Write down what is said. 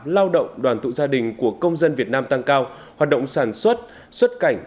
lao động đoàn tụ gia đình của công dân việt nam tăng cao hoạt động sản xuất xuất cảnh